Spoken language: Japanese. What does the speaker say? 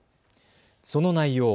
その内容。